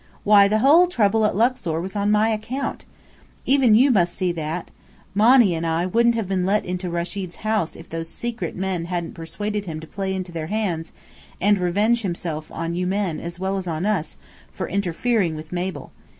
Why, the whole trouble at Luxor was on my account. Even you must see that. Monny and I wouldn't have been let into Rechid's house if those secret men hadn't persuaded him to play into their hands, and revenge himself on you men as well as on us, for interfering with Mabel.